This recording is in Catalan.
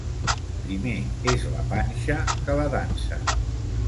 Primer és la panxa que la dansa.